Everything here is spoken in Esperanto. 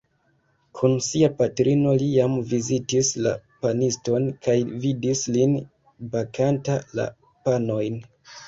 Kun sia patrino li jam vizitis la paniston kaj vidis lin bakanta la panojn.